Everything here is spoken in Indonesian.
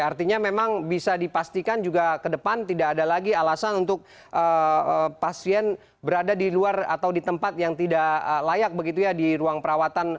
artinya memang bisa dipastikan juga ke depan tidak ada lagi alasan untuk pasien berada di luar atau di tempat yang tidak layak begitu ya di ruang perawatan